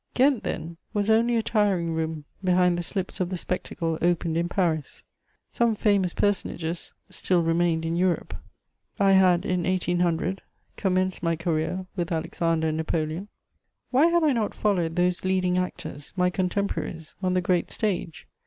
Ghent, then, was only a tiring room behind the slips of the spectacle opened in Paris. Some famous personages still remained in Europe. I had, in 1800, commenced my career with Alexander and Napoleon; why had I not followed those leading actors, my contemporaries, on the great stage?